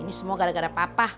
ini semua gara gara papah